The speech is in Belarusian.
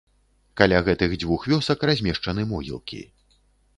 Каля гэтых дзвюх вёсак размешчаны могілкі.